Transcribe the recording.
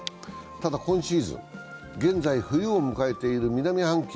ただ今シーズン、現在冬を迎えている南半球